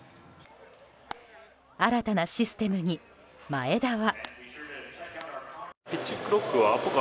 新たなシステムに前田は。